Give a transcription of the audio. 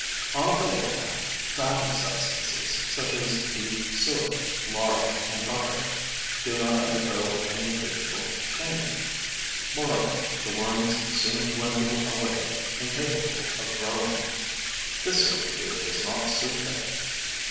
On the other hand, fatty substances, such as beef suet, lard and butter, do not undergo any appreciable change. Moreover, the worms soon dwindle away, incapable of growing. This sort of food does not suit them.